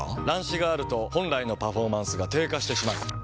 乱視があると本来のパフォーマンスが低下してしまう。